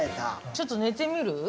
ちょっと寝てみる？